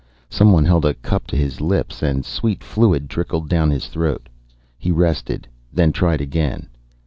Someone held a cup to his lips and sweet fluid trickled down his throat. He rested, then tried again.